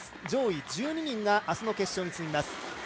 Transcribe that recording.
上位１２人があすの決勝に進みます。